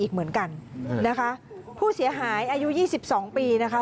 เหมือนกันนะคะผู้เสียหายอายุ๒๒ปีนะคะ